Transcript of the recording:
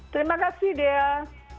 terima kasih del